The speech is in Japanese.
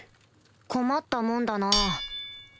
困ったもんだな。